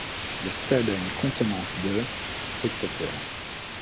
Le stade a une contenance de spectateurs.